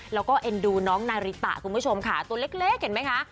แล้วก็เอ็นดูน้องนาริตะคุณผู้ชมค่ะตัวเล็กเห็นไหมคะ